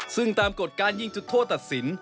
ซึ่งตามกฎการยิงจุดโทษตัดสิน